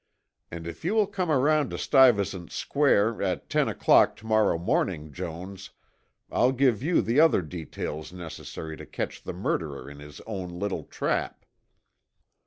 And if you will come around to Stuyvesant Square at ten o'clock to morrow morning, Jones, I'll give you the other details necessary to catch the murderer in his own little trap."